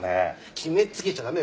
決めつけちゃ駄目よ